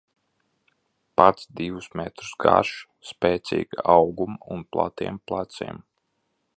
Pats divus metrus garš, spēcīga auguma un platiem pleciem.